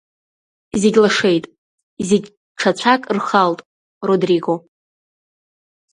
Зегь лашеит, зегь ҽа цәак рхалт, Родриго!